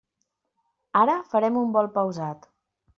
Ara farem un vol pausat.